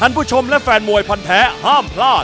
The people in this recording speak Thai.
ผู้ชมและแฟนมวยพันแท้ห้ามพลาด